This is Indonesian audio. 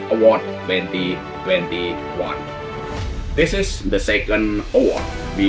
ini adalah panggilan kedua yang kami terima dari bank asia